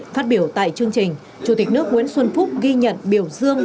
phát biểu tại chương trình chủ tịch nước nguyễn xuân phúc ghi nhận biểu dương